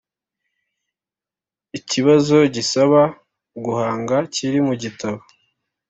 ikibazo gisaba guhanga kiri mu gitabo